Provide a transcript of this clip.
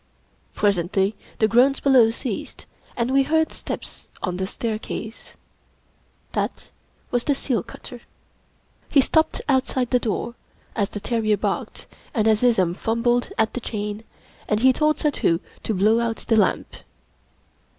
Presently, the groans below ceased, and we heard steps on the staircase. That was the seal cutter. He stopped outside the door as the terrier barked and Azizun fumbled at the chain, and he told Suddhoo to blow out the lamp.